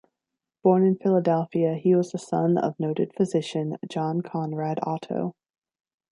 Born in Philadelphia, he was the son of noted physician John Conrad Otto.